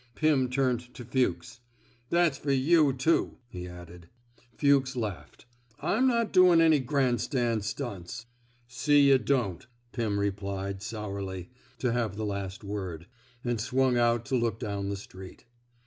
Pim turned to Fuchs. That's fer you, too," he added. 99 ( THE SMOKE EATERS Fuchs laughed. I'm not doin' any grand stand stunts.'' ^* See yuh don't," Pirn replied, sourly — to have the last word — and swung out to look down the street.